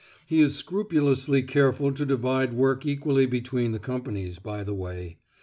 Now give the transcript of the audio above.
(He is scrupulously careful to divide work equally between the companies, by the way.)